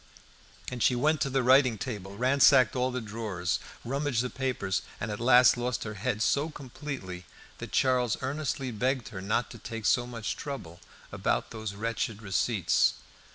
And she went to the writing table, ransacked all the drawers, rummaged the papers, and at last lost her head so completely that Charles earnestly begged her not to take so much trouble about those wretched receipts.